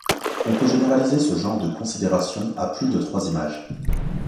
On peut généraliser ce genre de considérations à plus de trois images.